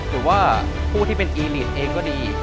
หรือว่าผู้ที่เป็นอีลีดเองก็ดี